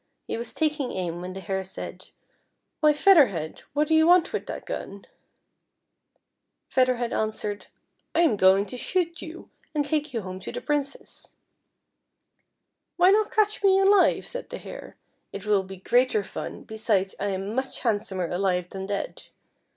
He was taking aim when the Hare said :" Why, Feather Head, what do you want with that gun ?" Feather Head answered :" I am going to shoot }'ou, and take you home to the Princess." "Why not catch me alive," said the Hare. "It will be greater fun, besides I am much handsomer alive than dead.